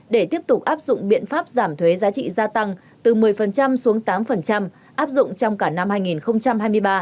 để tiếp tục áp dụng biện pháp giảm thuế giá trị gia tăng từ một mươi xuống tám áp dụng trong cả năm hai nghìn hai mươi ba